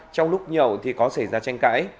trong lúc nhậu thì có xảy ra tranh cãi